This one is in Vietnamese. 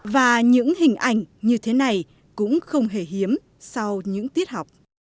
và những hình ảnh như thế này cũng không hề hiếm sau những tiết học